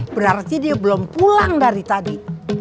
berarti dia belum pulang dari tadi